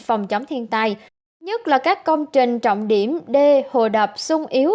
phòng chống thiên tai nhất là các công trình trọng điểm đê hồ đập sung yếu